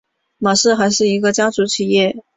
玛氏还是一个家庭企业。